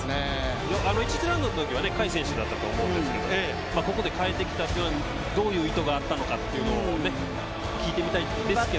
１次ラウンドのときは甲斐選手だったんですけどここで代えてきたというのはどういう意図があったのかというのを聞いてみたいんですけど。